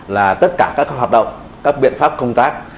là tất cả các hoạt động các biện pháp công tác